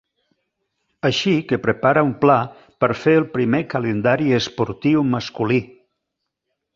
Així que prepara un pla per fer el primer calendari esportiu masculí.